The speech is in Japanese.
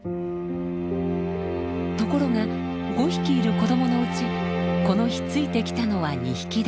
ところが５匹いる子どものうちこの日ついてきたのは２匹だけ。